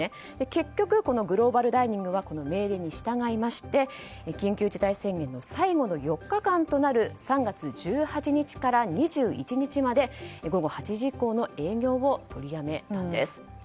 結局、グローバルダイニングは命令に従いまして緊急事態宣言の最後の４日間となる３月１８日から２１日まで午後８時以降の営業を取りやめたんです。